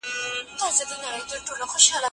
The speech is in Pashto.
ایا ته پوهیږې چي مسوده څه ته وایي؟